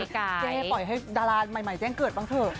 เจ๊ปล่อยให้ดาราใหม่แจ้งเกิดบ้างเถอะ